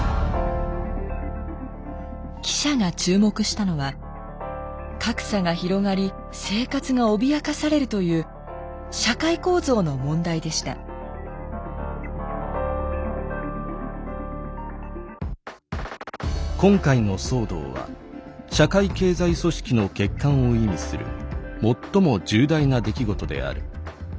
記者が注目したのは格差が広がり生活が脅かされるという「今回の騒動は社会経済組織の欠陥を意味する最も重大な出来事である。